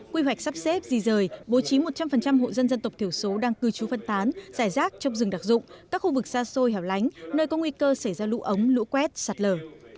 quy hoạch sắp xếp di rời bố trí một trăm linh hộ dân dân tộc thiểu số đang cư trú phân tán giải rác trong rừng đặc dụng các khu vực xa xôi hẻo lánh nơi có nguy cơ xảy ra lũ ống lũ quét sạt lở